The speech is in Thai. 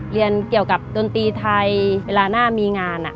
เรียนเกี่ยวกับดนตรีไทยเวลาหน้ามีงาน